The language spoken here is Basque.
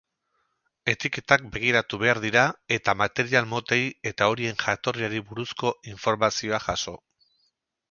Etiketak begiratu behar dira eta material motei eta horien jatorriari buruzko informazioa jaso.